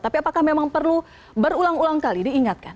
tapi apakah memang perlu berulang ulang kali diingatkan